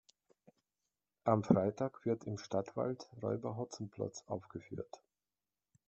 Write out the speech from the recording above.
Am Freitag wird im Stadtwald Räuber Hotzenplotz aufgeführt.